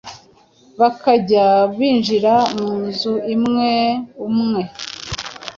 bakajya binjira mu nzu umwe umwe.